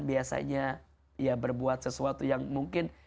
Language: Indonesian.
biasanya ya berbuat sesuatu yang mungkin